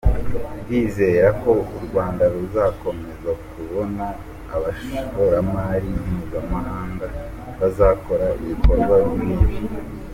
Ndizera ko u Rwanda ruzakomeza kubona abashoramari mpuzamahanga bazakora ibikorwa nk’ibi”.